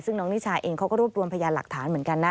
ซึ่งน้องนิชาเองเขาก็รวบรวมพยานหลักฐานเหมือนกันนะ